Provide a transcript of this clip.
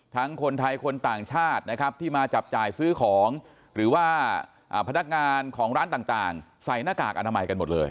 ทั้งคนไทยคนต่างชาตินะครับที่มาจับจ่ายซื้อของหรือว่าพนักงานของร้านต่างใส่หน้ากากอนามัยกันหมดเลย